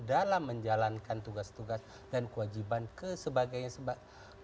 dalam menjalankan tugas tugas dan kewajiban ke sebagainya